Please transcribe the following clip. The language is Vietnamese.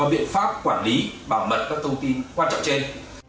biện pháp quản lý bảo mật các thông tin quan trọng trên